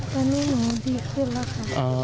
ตอนนี้หนูดีขึ้นแล้วค่ะ